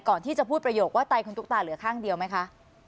ก่อนที่จะพูดประโยคว่าไตคุณตุ๊กตาเหลือข้างเดียวไหมคะ